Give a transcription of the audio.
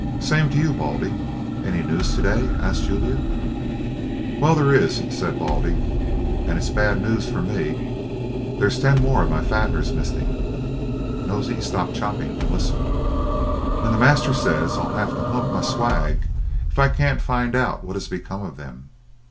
"Same to you, Baldy. Any news to day?" asked Julia. "Well, there is," said Baldy, "and it's bad news for me; there's ten more of my fatteners missing" (Nosey stopped chopping and listened) "and the master says I'll have to hump my swag if I can't find out what has become of them.